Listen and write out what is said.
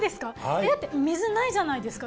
だって水ないじゃないですか。